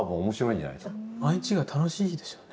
毎日が楽しいでしょうね。